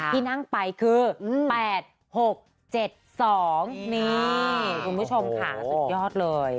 ที่นั่งไปคือ๘๖๗๒นี่คุณผู้ชมค่ะสุดยอดเลย